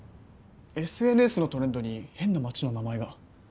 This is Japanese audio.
ＳＮＳのトレンドに変な町の名前が。